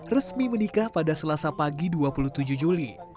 resmi menikah pada selasa pagi dua puluh tujuh juli